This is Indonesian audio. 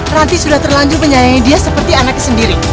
ranti sudah terlanjur menyayangi dia seperti anaknya sendiri